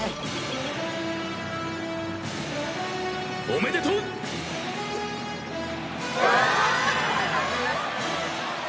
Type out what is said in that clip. おめでとう！はあ。